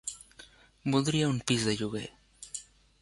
Voldria un pis de lloguer.